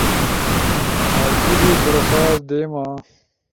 جیِبی درخواست دیما